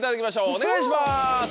お願いします。